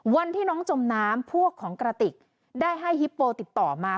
วันที่น้องจมน้ำพวกของกระติกได้ให้ฮิปโปติดต่อมา